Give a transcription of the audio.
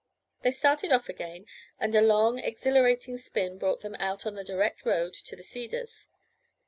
They started off again, and a long, exhilarating spin brought them out upon the direct road to the Cedars.